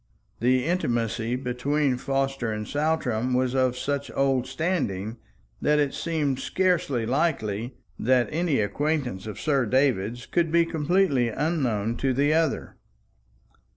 The intimacy between Forster and Saltram was of such old standing, that it seemed scarcely likely that any acquaintance of Sir David's could be completely unknown to the other.